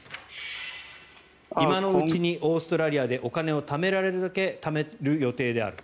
今のうちにオーストラリアでお金をためられるだけためる予定である。